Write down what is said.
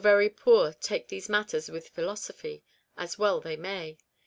213 very poor take these matters with philosophy, as well they may.